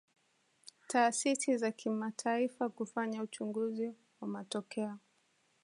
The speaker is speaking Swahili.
taasisi za kimataifa kufanya uchunguzi wa matokeo